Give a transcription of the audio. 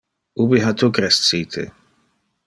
Ubi ha tu crescite?